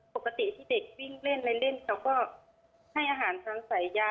ปกติที่เด็กวิ่งเล่นเล่นเขาก็ให้อาหารทางสายยา